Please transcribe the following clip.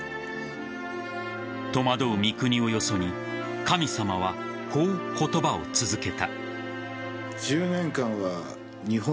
戸惑う三國をよそに神様はこう言葉を続けた。